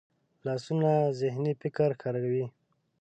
لاسونه ذهني فکر ښکاروي